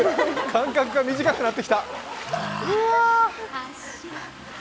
間隔が短くなってきた。